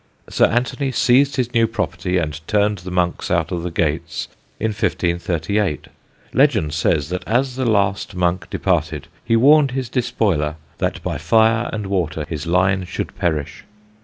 Sir Anthony seized his new property, and turned the monks out of the gates, in 1538. Legend says that as the last monk departed, he warned his despoiler that by fire and water his line should perish.